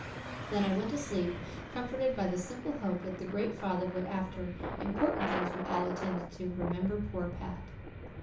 Then I went to sleep, comforted by the simple hope that the Great Father would, after "important things" were all attended to, remember poor Pat.